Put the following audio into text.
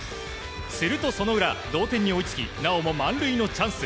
するとその裏、同点に追いつきなおも満塁のチャンス。